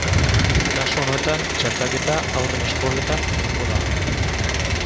Kasu honetan, txertaketa haurren eskoletan egingo da.